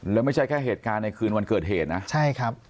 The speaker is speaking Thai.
แล้วไม่ใช่แค่เหตุการณ์ในคืนวันเกิดเหตุนะใช่ครับ